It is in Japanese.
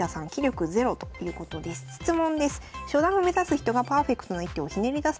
「質問です」。